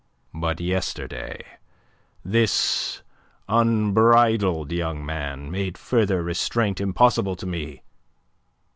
But yesterday this unbridled young man made further restraint impossible to me.